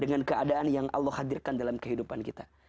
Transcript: dengan keadaan yang allah hadirkan dalam kehidupan kita